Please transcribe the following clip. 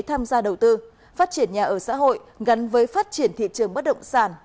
tham gia đầu tư phát triển nhà ở xã hội gắn với phát triển thị trường bất động sản